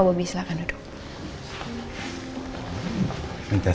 lihat aja keempat kantori atau d bawori